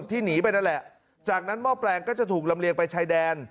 หนีไปนั่นแหละจากนั้นหม้อแปลงก็จะถูกลำเลียงไปชายแดน